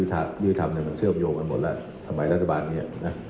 ถ้าทำไมรัฐบาลไง